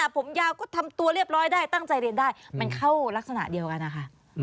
ผมยาวก็ทำตัวเรียบร้อยได้ตั้งใจเรียนได้มันเข้ารักษณะเดียวกันนะคะ